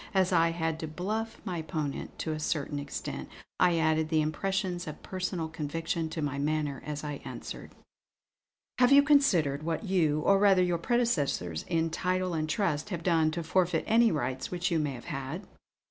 As I had to 'bluff' my opponent to a certain extent, I added the impressions of personal conviction to my manner as I answered: "Have you considered what you, or rather your predecessors in title and trust, have done to forfeit any rights which you may have had?"